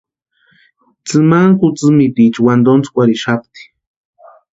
Tsimani kutsïmitiecha wantontskwarhixapti.